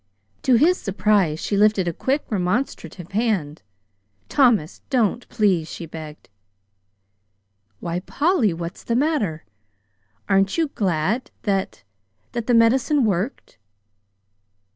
To his surprise she lifted a quick, remonstrative hand. "Thomas, don't, please!" she begged. "Why, Polly, what's the matter? Aren't you glad that that the medicine worked?"